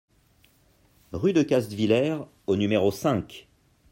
Rue de Castviller au numéro cinq